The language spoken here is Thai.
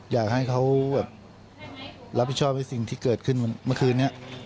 อยากให้เขาแบบรับผิดชอบให้สิ่งที่เกิดขึ้นเมื่อคืนนี้